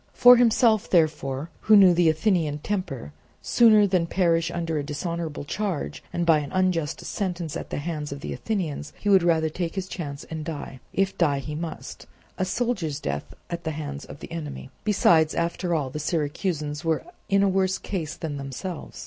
For himself, therefore, who knew the Athenian temper, sooner than perish under a dishonourable charge and by an unjust sentence at the hands of the Athenians, he would rather take his chance and die, if die he must, a soldier's death at the hand of the enemy. Besides, after all, the Syracusans were in a worse case than themselves.